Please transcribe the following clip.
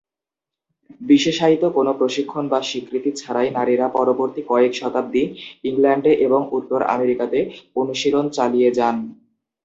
বিশেষায়িত কোন প্রশিক্ষণ বা স্বীকৃতি ছাড়াই নারীরা পরবর্তী কয়েক শতাব্দী ইংল্যান্ডে এবং উত্তর আমেরিকাতে অনুশীলন চালিয়ে যান!